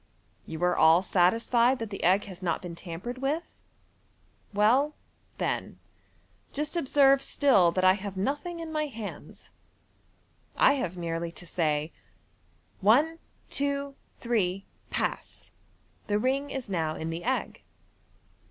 You are all satisfied that the «••• r has not been tampered with ? Well, then, just observe still that I have nothing in my hands. I have merely to say, ' One, two, three ! Pass!' The ring is now in the egg.